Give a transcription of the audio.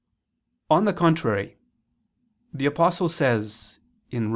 On the contrary, The Apostle says (Rom.